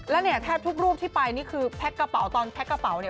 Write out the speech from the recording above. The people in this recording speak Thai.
แล้วเนี่ยแทบทุกรูปที่ไปนี่คือแพ็กกระเป๋า